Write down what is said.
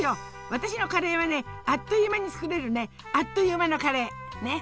私のカレーはねアッという間に作れるねアッという間のカレー！ね。